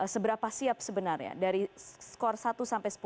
seberapa siap sebenarnya dari skor satu sampai sepuluh